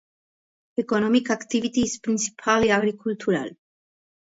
Economic activity is principally agricultural.